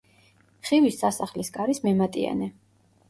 ხივის სასახლის კარის მემატიანე.